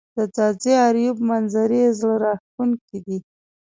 د ځاځي اریوب منظزرې زړه راښکونکې دي